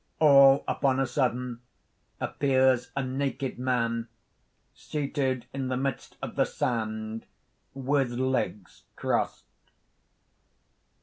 (All upon a sudden appears a NAKED MAN _seated in the midst of the sand, with legs crossed.